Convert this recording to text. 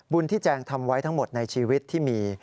ที่แจงทำไว้ทั้งหมดในชีวิตที่มี